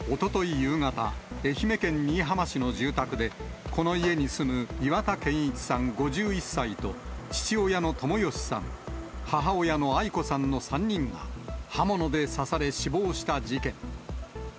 夕方、愛媛県新居浜市の住宅で、この家に住む岩田健一さん５１歳と、父親の友義さん、母親のアイ子さんの３人が、刃物で刺され死亡した事件。